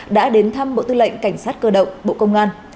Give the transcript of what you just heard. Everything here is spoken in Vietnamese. đã đến thăm bộ tư lệnh cảnh sát cơ động bộ công an